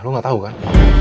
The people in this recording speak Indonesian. lo gak tau kan